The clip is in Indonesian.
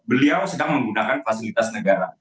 beliau sedang menggunakan fasilitas negara